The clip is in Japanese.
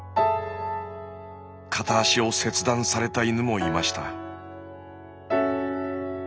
片足を切断された犬もいました。